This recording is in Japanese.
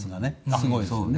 すごいですよね。